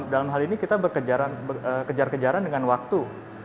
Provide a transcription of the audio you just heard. dalam hal ini kita berkejar kejaran dengan waktu